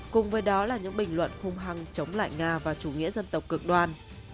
cùng với đó là những bình luận hung hăng chống lại nga và chủ nghĩa dân tộc cực đoan